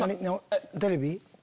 テレビ？